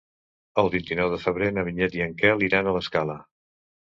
El vint-i-nou de febrer na Vinyet i en Quel iran a l'Escala.